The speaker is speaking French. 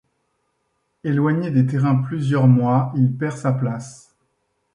Éloigné des terrains plusieurs mois, il perd sa place.